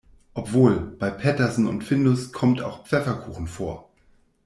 Obwohl, bei Petersen und Findus kommt auch Pfefferkuchen vor.